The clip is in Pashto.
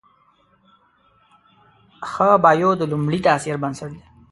ښه بایو د لومړي تاثر بنسټ دی.